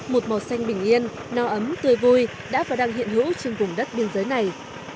một màu xanh bình yên no ấm tươi vui đã và đang hiện hữu trên vùng đất biên giới này